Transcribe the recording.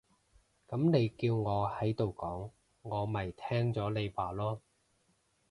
噉你叫我喺度講，我咪聽咗你話囉